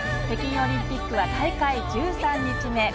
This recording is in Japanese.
北京オリンピックは大会１３日目。